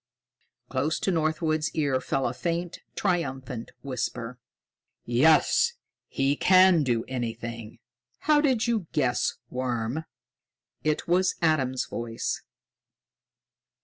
Close to Northwood's ear fell a faint, triumphant whisper: "Yes, he can do anything. How did you guess, worm?" It was Adam's voice.